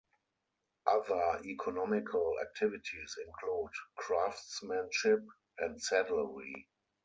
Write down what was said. Other economical activities include craftsmanship and saddlery.